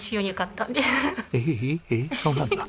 ええそうなんだ。